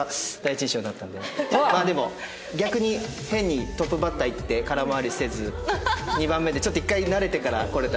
まあでも逆に変にトップバッターいって空回りせず２番目でちょっと１回慣れてから来れたんで。